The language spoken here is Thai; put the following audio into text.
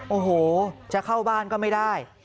โอ้โหจะเข้าบ้านก็ไม่ได้